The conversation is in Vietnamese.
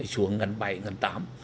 xuống ngân bảy ngân tám